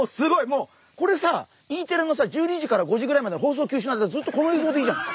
もうこれさＥテレのさ１２時から５時ぐらいまで放送休止の間ずっとこの映像でいいじゃん。